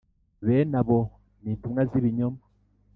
Bene abo ni intumwa z ibinyoma